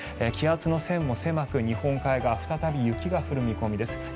気圧の線も狭く日本海側は再び雪が降る見込みです。